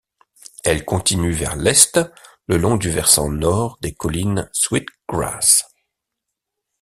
Elle continue vers l'est, le long du versant nord des collines Sweetgrass.